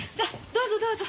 どうぞどうぞ。